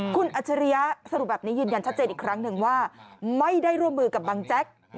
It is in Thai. คุณอัจฉริยะสรุปแบบนี้ยืนยันชัดเจนอีกครั้งหนึ่งว่าไม่ได้ร่วมมือกับบังแจ๊ก